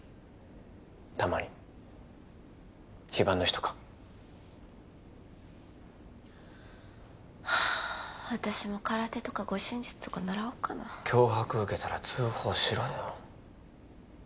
たまに非番の日とかはあっ私も空手とか護身術とか習おうかな脅迫受けたら通報しろよ